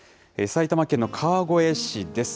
埼玉県の川越市です。